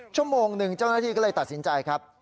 ชั่วโมงหนึ่งเจ้าหน้าที่ก็เลยตัดสินใจครับ